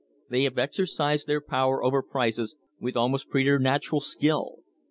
They have exercised their power over prices with almost preternatural skill.